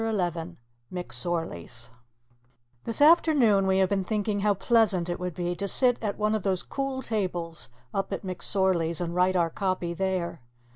McSORLEY'S This afternoon we have been thinking how pleasant it would be to sit at one of those cool tables up at McSorley's and write our copy there.